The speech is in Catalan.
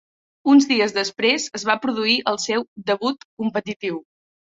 Uns dies després es va produir el seu debut competitiu.